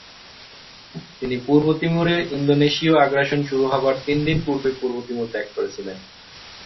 তিনি পূর্ব তিমুরে ইন্দোনেশীয় আগ্রাসন শুরু হবার তিন দিন পূর্বে পূর্ব তিমুর ত্যাগ করেছিলেন।